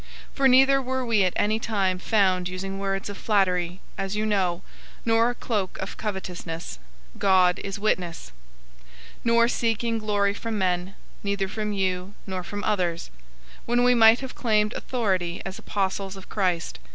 002:005 For neither were we at any time found using words of flattery, as you know, nor a cloak of covetousness (God is witness), 002:006 nor seeking glory from men (neither from you nor from others), when we might have claimed authority as apostles of Christ.